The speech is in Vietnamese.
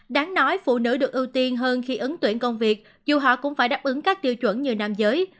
đáng nói phụ nữ được ưu tiên hơn khi ứng tuyển công việc dù họ cũng phải đáp ứng các tiêu chuẩn như nam giới